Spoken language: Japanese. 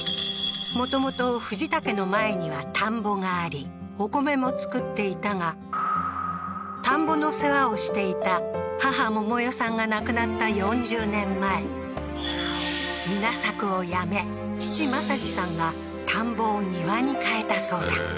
もともと藤田家の前には田んぼがありお米も作っていたが田んぼの世話をしていた母百代さんが亡くなった４０年前稲作を辞め父政治さんが田んぼを庭に変えたそうだ